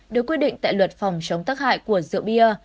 được quy định tại luật phòng chống tắc hại của rượu bia